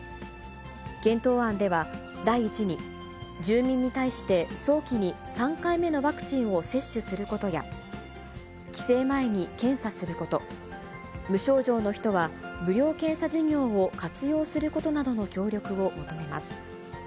検討案では、第１に住民に対して早期に３回目のワクチンを接種することや、帰省前に検査すること、無症状の人は無料検査事業を活用することなどの協力を求めます。